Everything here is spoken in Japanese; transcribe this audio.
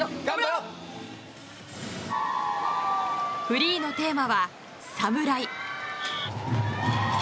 フリーのテーマはサムライ。